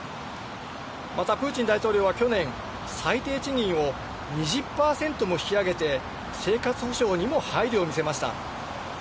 また、プーチン大統領は去年、最低賃金を２０％も引き上げて、生活保障にも配慮を見せました。